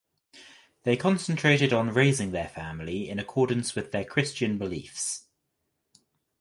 They concentrated on raising their family in accordance with their Christian beliefs.